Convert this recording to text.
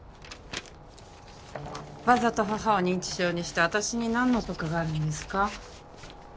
わざと母を認知症にして私に何の得があるんですか？